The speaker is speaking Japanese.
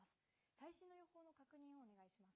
最新の予報の確認をお願いします。